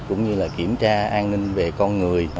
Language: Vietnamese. cũng như kiểm tra an ninh về con người